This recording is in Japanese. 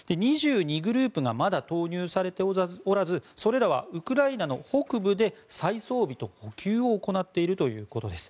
２２グループがまだ投入されておらずそれらはウクライナの北部で再装備と補給を行っているということです。